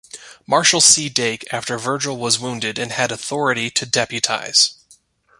Marshal C. Dake, after Virgil was wounded, and had authority to deputize.